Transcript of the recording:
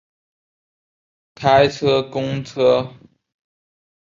开车公车